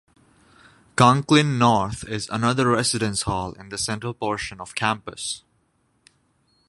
Conklin North is another residence hall in the central portion of campus.